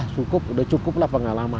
sudah cukup pengalaman